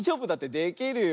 できるよ。